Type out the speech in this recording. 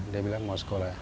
dia bilang mau sekolah